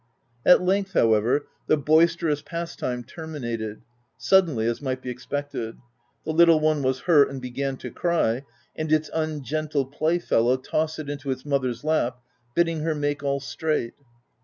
At length, however, the boisterous pastime terminated — suddenly, as might be expected : the little one was hurt and began to cry ; and its ungentle playfellow tossed it into its mother's lap, bidding her i( make all straight.''